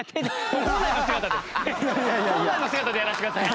本来の姿でやらせてください。